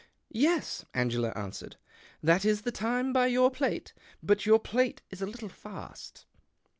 " Yes," Ano ela answered, " that is the time by your plate. But your plate's a little fast."